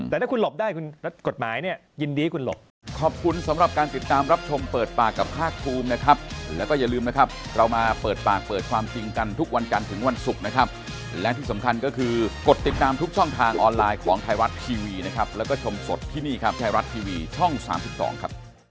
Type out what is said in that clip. แต่ถ้าคุณหลบได้รัฐกฎหมายยินดีคุณหลบ